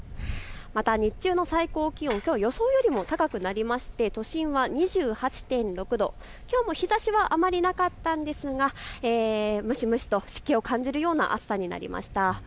また日中の最高気温、きょうは予想よりも高くなって都心は２８．６度、きょうも日ざしはあまりなかったですが蒸し蒸しと湿気を感じるような暑さになりました。